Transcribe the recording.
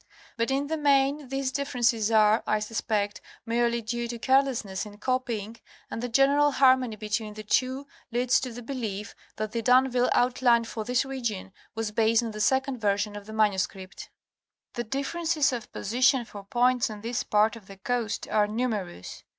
But in the main these differences are, I suspect, merely due to carelessness in copying, and the general har mony between the two leads to the belief that the D'Anville outline for this region was based on the second version of the manuscript. The differences of position for points on this part of the coast are numerous.